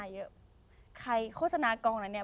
ที่ต้อนรับชื่ออย่าง